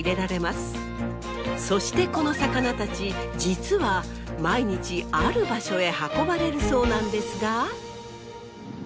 そしてこの魚たち実は毎日ある場所へ運ばれるそうなんですが。